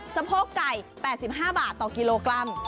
สะโพกไก่๘๕บาทต่อกิโลกรัม